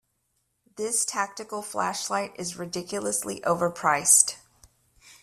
This tactical flashlight is ridiculously overpriced.